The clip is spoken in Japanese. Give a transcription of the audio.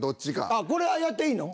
あっこれはやっていいの？